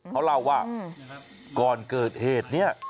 เขาเล่าว่าก่อนเกิดเหตุเนี่ย